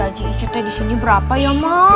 gaji kita tadi sudah berapa ya